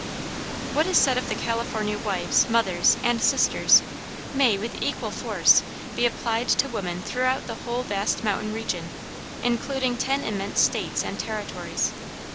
What is said of the California wives, mothers, and sisters, may, with equal force, be applied to woman throughout the whole vast mountain region, including ten immense states and territories.